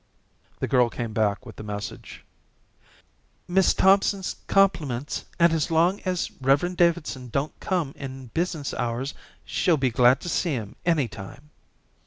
The girl came back with the message. "Miss Thompson's compliments and as long as Rev. Davidson don't come in business hours she'll be glad to see him any time."